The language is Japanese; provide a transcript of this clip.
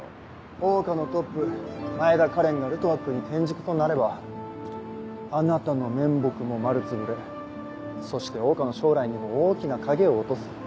桜花のトップ前田花恋がルトワックに転塾となればあなたの面目も丸つぶれそして桜花の将来にも大きな影を落とす。